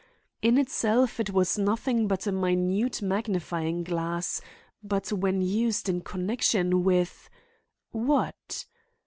In itself it was nothing but a minute magnifying glass; but when used in connection with—what?